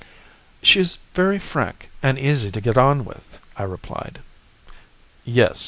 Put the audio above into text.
"She is very frank and easy to get on with," I replied. "Yes.